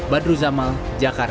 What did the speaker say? badru zamal jakarta